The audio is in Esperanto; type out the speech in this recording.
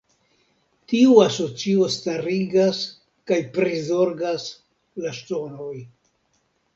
Tiu asocio starigas kaj prizorgas la ŝtonoj.